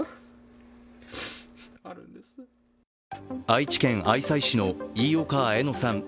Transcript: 愛知県愛西市の飯岡綾乃さん